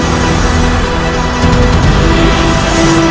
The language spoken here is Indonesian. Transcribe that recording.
kau akan mati di tanganku kian san